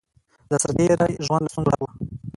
د سرتېری ژوند له ستونزو ډک وو